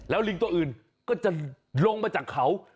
ลิงตัวอื่นก็จะลงมาจากเขา